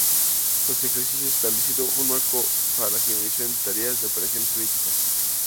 Estos ejercicios establecido un marco para la sincronización de tareas de operaciones críticas.